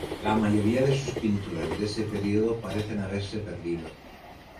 La mayoría de sus pinturas de ese periodo parecen haberse perdido.